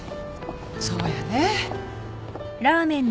そうやね。